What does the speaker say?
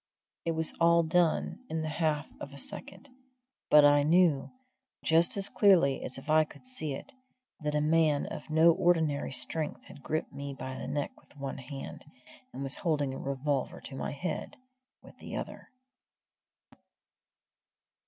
It was all done in the half of a second; but I knew, just as clearly as if I could see it, that a man of no ordinary strength had gripped me by the neck with one hand, and was holding a revolver to my head with the other.